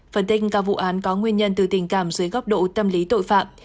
phân tích các vụ án có nguyên nhân từ tình cảm dưới góc độ tâm lý tội phạm